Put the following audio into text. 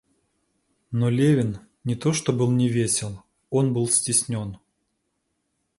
Но Левин не то что был не весел, он был стеснен.